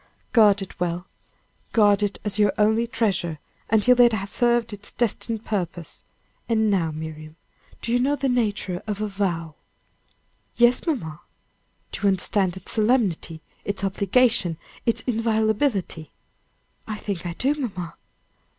Guard it well; guard it as your only treasure, until it has served its destined purpose. And now, Miriam, do you know the nature of a vow?" "Yes, mamma." "Do you understand its solemnity its obligation, its inviolability?" "I think I do, mamma."